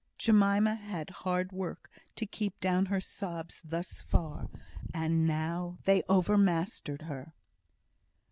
Jemima had hard work to keep down her sobs thus far, and now they overmastered her.